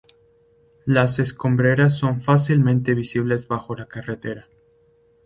Las escombreras son fácilmente visibles bajo la carretera.